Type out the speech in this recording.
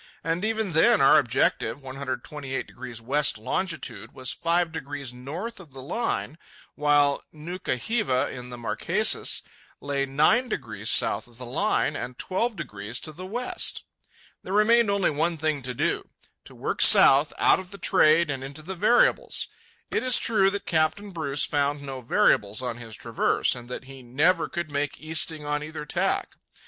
And even then, our objective, 128° west longitude, was five degrees north of the Line, while Nuka hiva, in the Marquesas, lay nine degrees south of the Line and twelve degrees to the west! There remained only one thing to do—to work south out of the trade and into the variables. It is true that Captain Bruce found no variables on his traverse, and that he "never could make easting on either tack."